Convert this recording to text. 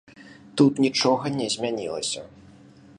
Тут нічога не змянілася.